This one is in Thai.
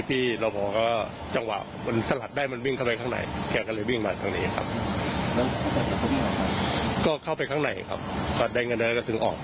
เพราะลอพพอพี่เขานั่งอยู่ข้างนอก